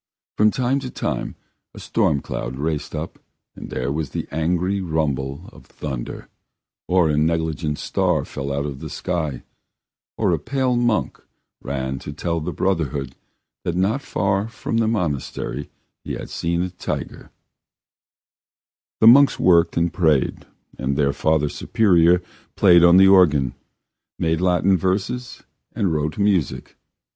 From time to time a storm cloud raced up and there was the angry rumble of thunder, or a negligent star fell out of the sky, or a pale monk ran to tell the brotherhood that not far from the monastery he had seen a tiger and that was all, and then each day was like the next. The monks worked and prayed, and their Father Superior played on the organ, made Latin verses, and wrote music.